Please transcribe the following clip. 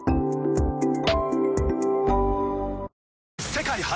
世界初！